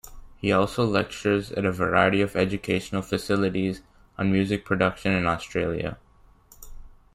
He also lectures at a variety of educational facilities on music production in Australia.